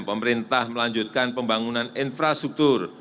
pemerintah melanjutkan pembangunan infrastruktur